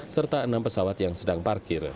serta enam pesawat yang sedang parkir